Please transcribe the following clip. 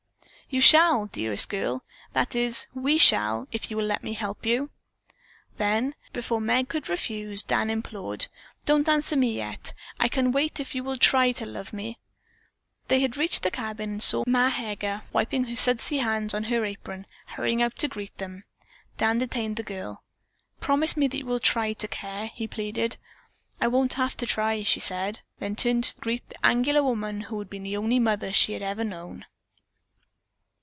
"You shall, dearest girl. That is, we shall, if you will let me help you." Then before Meg could refuse, Dan implored, "Don't answer me yet. I can wait if you will try to love me." They had reached the cabin and saw Ma Heger, wiping sudsy hands on her apron, hurrying out to greet them. Dan detained the girl. "Promise me that you will try to care," he pleaded. "I won't have to try," she said, then turned to greet the angular woman who had been the only mother she had ever known.